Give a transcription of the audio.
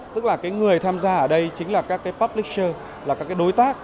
tức là người tham gia ở đây chính là các publisher các đối tác